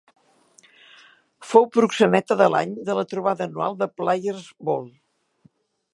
Fou "proxeneta de l'any" de la trobada anual de Players Ball.